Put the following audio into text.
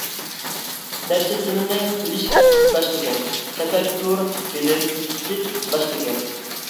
نەچچە تىلنى بىلىش باشقا گەپ، تەپەككۇر، بىلىم، دىت باشقا گەپ.